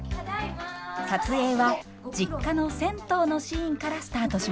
撮影は実家の銭湯のシーンからスタートしました。